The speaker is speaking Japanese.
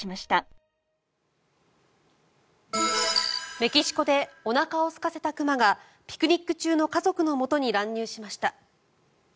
メキシコでおなかをすかせた熊がピクニック中の家族のもとに乱入しました。